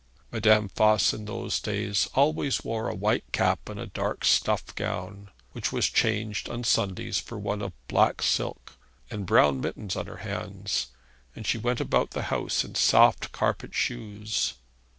Madame Voss in those days always wore a white cap and a dark stuff gown, which was changed on Sundays for one of black silk, and brown mittens on her hands, and she went about the house in soft carpet shoes.